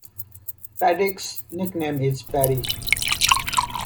Paddick's nickname is Paddy.